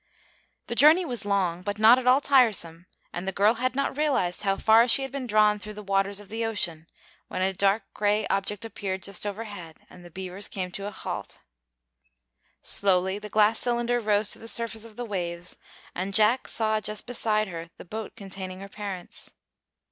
The journey was long, but not at all tiresome, and the girl had not realized how far she had been drawn through the waters of the ocean when a dark gray object appeared just overhead, and the beavers came to a halt. Slowly the glass cylinder rose to the surface of the waves, and Jac saw just beside her the boat containing her parents.